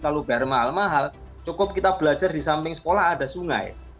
kalau bayar mahal mahal cukup kita belajar di samping sekolah ada sungai